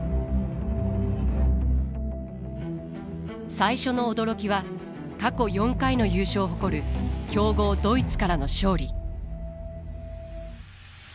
最初の驚きは過去４回の優勝を誇る強豪ドイツからの勝利。